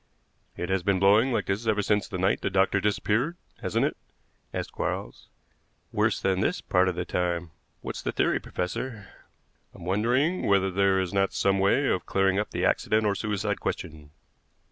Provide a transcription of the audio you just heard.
"It has been blowing like this ever since the night the doctor disappeared, hasn't it?" asked Quarles. "Worse than this part of the time. What's the theory, professor?" "I'm wondering whether there is not some way of clearing up the accident or suicide question."